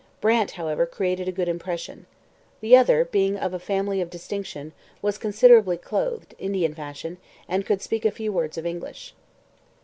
Brant, however, created a good impression. 'The other, being of a family of distinction, was considerably clothed, Indian fashion, and could speak a few words of English.'